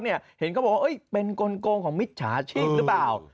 เนี่ยเห็นก็บอกไหมเป็นคลนโกงของมิจชาชิบ